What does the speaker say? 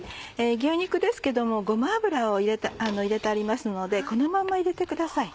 牛肉ですけどもごま油を入れてありますのでこのまま入れてください。